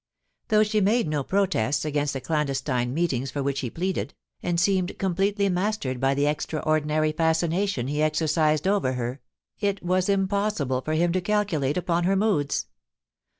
Though she made no protests against the clandes tine meetings for which he pleaded, and seemed completely mastered by the extraordinary fascination he exercised over her, it was impossible for him to calculate upon her moods.